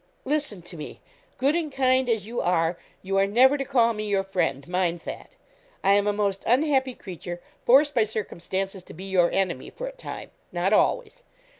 'Listen to me, good and kind as you are. You are never to call me your friend, mind that. I am a most unhappy creature forced by circumstances to be your enemy, for a time not always.